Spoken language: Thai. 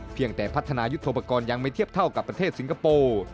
เพียงแต่พัฒนายุทธโปรกรณ์ยังไม่เทียบเท่ากับประเทศสิงคโปร์